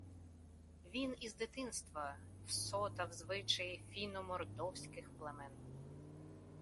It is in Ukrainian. Він із дитинства всотав звичаї фіно-мордовських племен